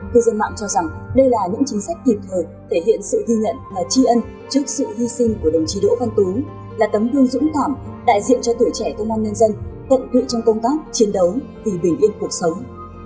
cư dân mạng cho rằng đây là những chính sách kịp thời thể hiện sự ghi nhận và tri ân trước sự hy sinh của đồng chí đỗ văn tú là tấm gương dũng cảm đại diện cho tuổi trẻ công an nhân dân tận tụy trong công tác chiến đấu vì bình yên cuộc sống